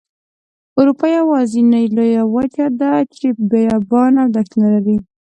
اروپا یوازینۍ لویه وچه ده چې بیابانه او دښتې نلري.